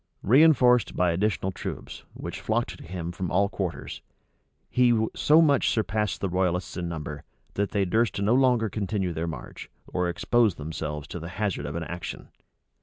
Reënforced by additional troops, which flocked to him from all quarters, he so much surpassed the royalists in number, that they durst no longer continue their march, or expose themselves to the hazard of an action.